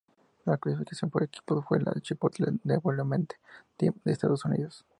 La clasificación por equipos fue para el Chipotle Development Team de Estados Unidos.